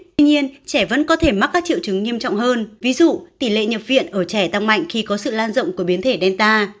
tuy nhiên trẻ vẫn có thể mắc các triệu chứng nghiêm trọng hơn ví dụ tỷ lệ nhập viện ở trẻ tăng mạnh khi có sự lan rộng của biến thể delta